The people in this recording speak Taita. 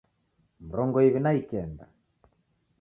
Mrongo iw'i na ikenda